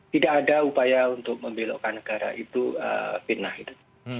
tidak ada upaya untuk membelokkan negara itu fitnah itu